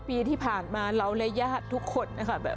ปีที่ผ่านมาเราและญาติทุกคนนะคะ